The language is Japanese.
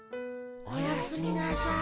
おやすみなさい。